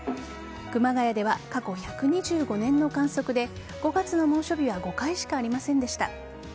熊谷では過去１２５年の観測で５月の猛暑日が５回しかありませんでした。